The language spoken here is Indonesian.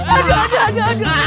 aduh aduh aduh